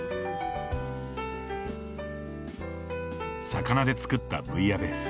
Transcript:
魚で作ったブイヤベース